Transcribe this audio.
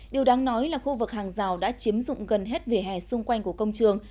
điều đáng nói là khu vực hàng rào đã chiếm dụng gần hết vỉa hè xung quanh của công trường